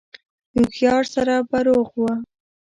د هوښيار سر به روغ و